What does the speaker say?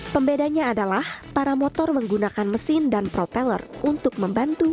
pembedanya adalah para motor menggunakan mesin dan propeller untuk membantu